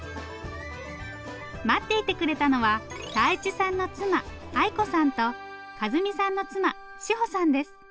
待っていてくれたのは泰一さんの妻愛子さんと一美さんの妻志保さんです。